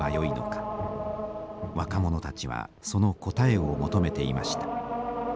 若者たちはその答えを求めていました。